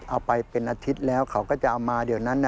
เอาไปเป็นอาทิตย์แล้วเขาก็จะเอามาเดี๋ยวนั้น